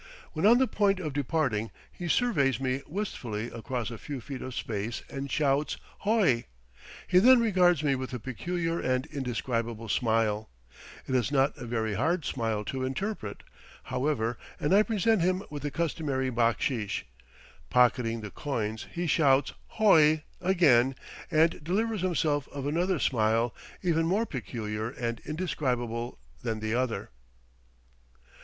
When on the point of departing, he surveys me wistfully across a few feet of space and shouts "h o i!" He then regards me with a peculiar and indescribable smile. It is not a very hard smile to interpret, however, and I present him with the customary backsheesh. Pocketing the coins, he shouts "h o i!'" again, and delivers himself of another smile even more peculiar and indescribable than the other.